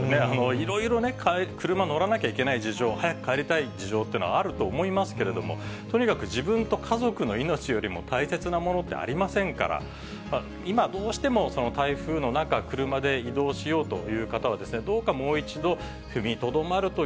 いろいろ、車に乗らなきゃいけない事情、早く帰りたい事情ってあると思いますけれども、とにかく自分と家族の命よりも大切なものってありませんから、今、どうしても台風の中、車で移動しようという方は、どうかもう一度、踏みとどまると